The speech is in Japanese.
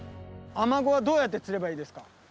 アマゴはどうやって釣ればいいですか？